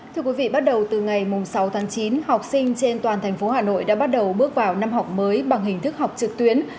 thưa quý vị bắt đầu từ ngày sáu tháng chín học sinh trên toàn thành phố hà nội đã bắt đầu bước vào năm học mới bằng hình thức học trực tuyến